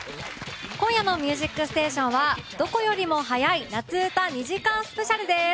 今夜の「ミュージックステーション」はどこよりも早い夏うた２時間スペシャルです。